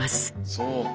そうか。